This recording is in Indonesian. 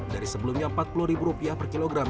dari sebelumnya rp empat puluh per kilogram